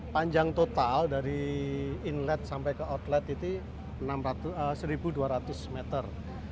panjang total dari inlet sampai ke outlet itu satu dua ratus meter